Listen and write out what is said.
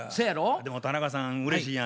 でも田中さんうれしいやん。